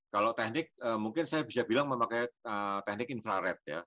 kalau teknik mungkin saya bisa bilang memakai teknik infrared ya